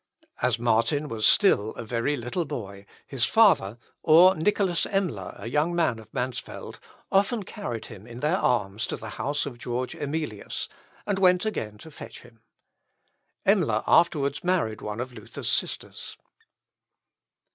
As Martin was still a very little boy, his father or Nicolas Emler, a young man of Mansfeld, often carried him in their arms to the house of George Emilius, and went again to fetch him. Emler afterwards married one of Luther's sisters.